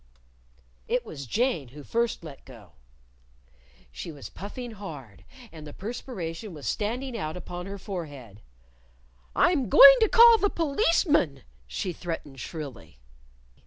It was Jane who first let go. She was puffing hard, and the perspiration was standing out upon her forehead. "I'm going to call the Policeman," she threatened shrilly.